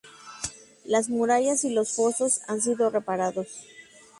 Las murallas y los fosos han sido reparados.